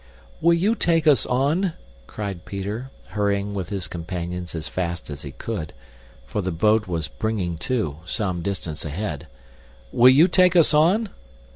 "Will you take us on?" cried Peter, hurrying with his companions as fast as he could, for the boat as "bringing to" some distance ahead. "Will you take us on?"